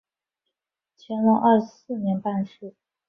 乾隆二十四年办事。